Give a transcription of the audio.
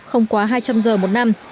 không quá hai trăm linh giờ một năm